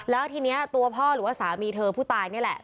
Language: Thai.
แล้วทีนี้ตัวพ่อหรือว่าสามีเธอผู้ตายนี่แหละ